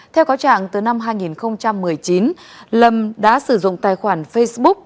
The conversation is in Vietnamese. theo có trạng từ năm hai nghìn một mươi chín lâm đã sử dụng tài khoản facebook